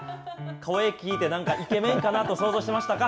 声聞いて、なんかイケメンかなと想像してましたか？